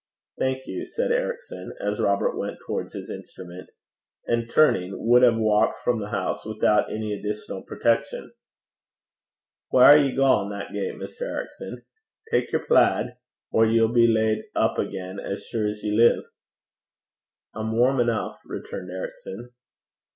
'Thank you,' said Ericson, as Robert went towards his instrument; and, turning, would have walked from the house without any additional protection. 'Whaur are ye gaein' that gait, Mr. Ericson? Tak yer plaid, or ye'll be laid up again, as sure's ye live.' 'I'm warm enough,' returned Ericson.